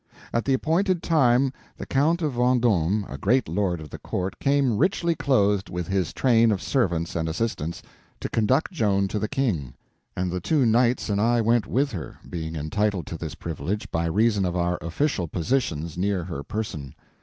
At the appointed time the Count of Vendome, a great lord of the court, came richly clothed, with his train of servants and assistants, to conduct Joan to the King, and the two knights and I went with her, being entitled to this privilege by reason of our official positions near her person.